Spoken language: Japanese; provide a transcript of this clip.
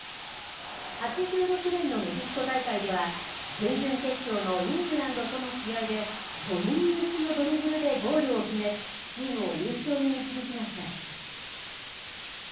８６年のメキシコ大会では、準々決勝のイングランドとの試合で、５人抜きのドリブルでゴールを決め、チームを優勝に導きました。